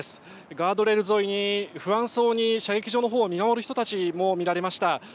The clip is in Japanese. ガードレール沿いに不安そうに射撃場のほうを見守る人たちも見られました。